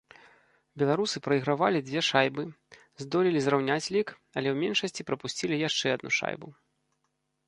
Беларусы прайгравалі дзве шайбы, здолелі зраўняць лік, але ў меншасці прапусцілі яшчэ адну шайбу.